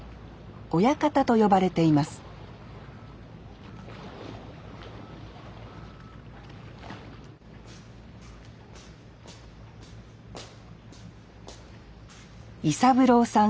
親方と呼ばれています伊三郎さん